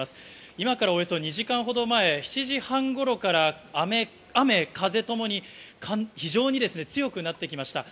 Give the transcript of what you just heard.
今からおよそ２時間ほど前、７時半ごろから雨、風ともに非常に強くなってきました。